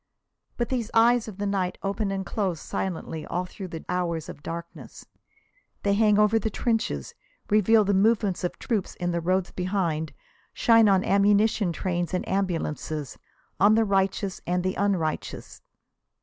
But these eyes of the night open and close silently all through the hours of darkness. They hang over the trenches, reveal the movements of troops on the roads behind, shine on ammunition trains and ambulances, on the righteous and the unrighteous.